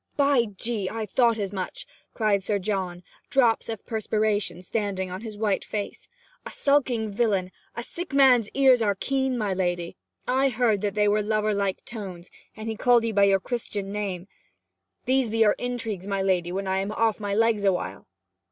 'By G I thought as much!' cried Sir John, drops of perspiration standing on his white face. 'A skulking villain! A sick man's ears are keen, my lady. I heard that they were lover like tones, and he called 'ee by your Christian name. These be your intrigues, my lady, when I am off my legs awhile!'